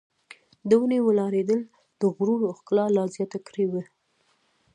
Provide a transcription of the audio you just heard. د ونې ولاړېدل د غرونو ښکلا لا زیاته کړې وه.